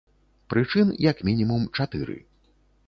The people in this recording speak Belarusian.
Прычын як мінімум чатыры.